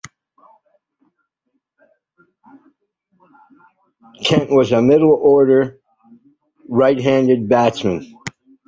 Kent was a middle-order right-handed batsman.